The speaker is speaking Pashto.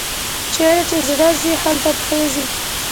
چیري چي زړه ځي، هلته پښې ځي.